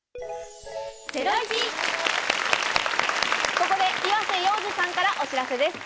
ここで岩瀬洋志さんからお知らせです。